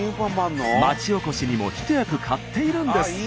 町おこしにも一役買っているんです。